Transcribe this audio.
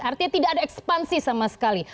artinya tidak ada ekspansi sama sekali